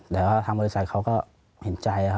แต่ว่าทางบริษัทเขาก็เห็นใจ